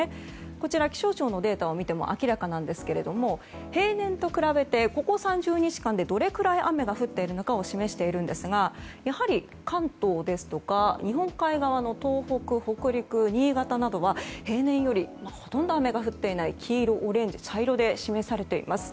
こちら、気象庁のデータを見ても明らかなんですけど平年と比べて、ここ３０日間でどれくらい雨が降っているのかを示しているんですが関東ですとか日本海側の東北北陸、新潟などは平年よりほとんど雨が降っていない黄色、オレンジ、茶色で示されています。